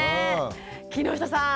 木下さん